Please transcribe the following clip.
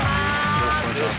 よろしくお願いします